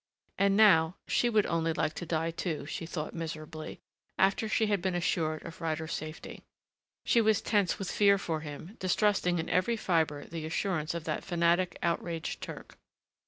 And now she would only like to die, too, she thought miserably, after she had been assured of Ryder's safety. She was tense with fear for him, distrusting in every fiber the assurance of that fanatic, outraged Turk.